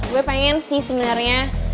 gue pengen sih sebenarnya